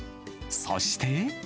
そして。